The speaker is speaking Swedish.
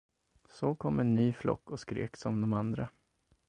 Så kom en ny flock och skrek som de andra.